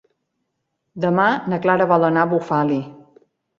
Demà na Clara vol anar a Bufali.